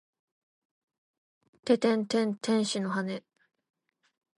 ててんてん天使の羽！